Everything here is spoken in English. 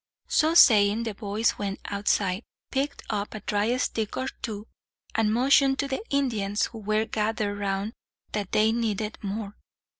So saying, the boys went outside, picked up a dry stick or two, and motioned to the Indians who were gathered round that they needed more.